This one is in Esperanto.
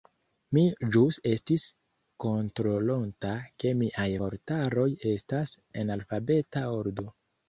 Mi ĵus estis kontrolonta ke miaj vortaroj estas en alfabeta ordo.